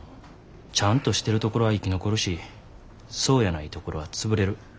ちゃんとしてるところは生き残るしそうやないところは潰れる。